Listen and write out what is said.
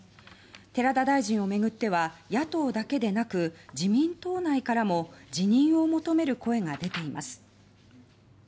寺田大臣を巡っては野党だけでなく自民党内からも辞任を求める声が出ています。